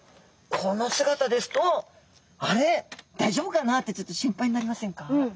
この姿ですと「あれだいじょうぶかな？」ってちょっと心配になりませんか？